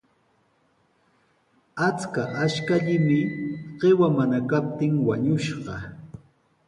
Achka ashkallami qiwa mana kaptin wañushqa.